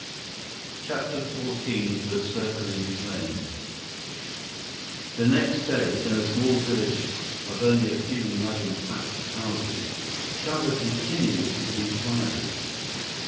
112 CHAPTER XIV The Circling Plane The next day, in a small village of only a few mud and thatched houses, Chuba continued his inquiries.